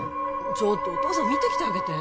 ちょっとお父さん見てきてあげて・